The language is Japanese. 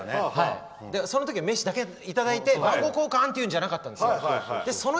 そのときは名刺だけいただいて番号交換というんじゃなかったんです。